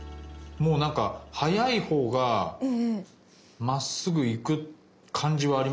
もうなんか速いほうがまっすぐ行く感じはありますねやっぱり。